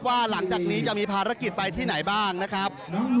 หลังจากนี้จะมีภารกิจไปที่ไหนบ้างนะครับ